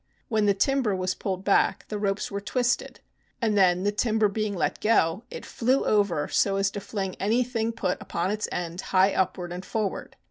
When the timber was pulled back, the ropes were twisted, and then, the timber being let go, it flew over so as to fling anything put upon its end high upward and forward.